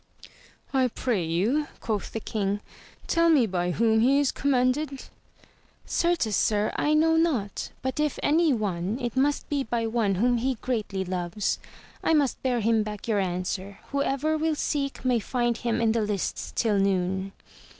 I AMADIS OF GAUL. 41 pray you, quoth the king, tell me by whom is he com manded 1 — Certes sir, I know not : but if by any one, it must be by one whom he greatly loves. I must bear him back your answer, whoever will seek, may find him in the lists till noon.